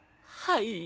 はい。